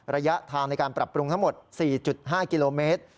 ระยะทางในการปรับปรุงทั้งหมด๔๕กิโลเมตร